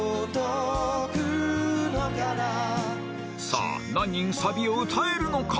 さあ何人サビを歌えるのか？